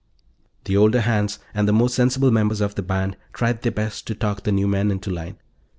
The older hands, and the more sensible members of the band, tried their best to talk the new men into line.